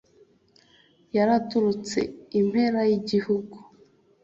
yari aturutse impera y'igihugu,